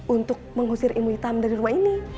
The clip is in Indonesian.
untuk mengusir ilmu hitam dari rumah ini